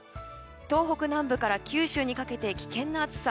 東北南部から九州にかけて危険な暑さ。